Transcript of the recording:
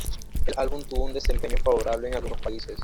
El álbum tuvo un desempeño favorable en algunos países.